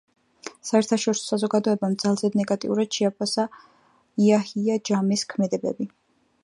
საერთაშორისო საზოგადოებამ ძალზედ ნეგატიურად შეაფასა იაჰია ჯამეს ქმედებები.